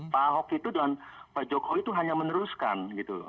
pak ahok itu dan pak jokowi itu hanya meneruskan gitu loh